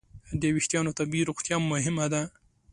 د وېښتیانو طبیعي روغتیا مهمه ده.